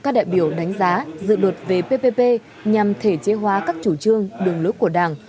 các đại biểu đều đồng ý đánh giá dự luật về ppp nhằm thể chế hóa các chủ trương đường lưới của đảng